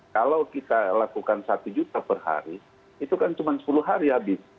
kalau kita lakukan satu juta per hari itu kan cuma sepuluh hari habis